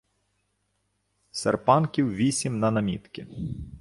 Серпанків вісім на намітки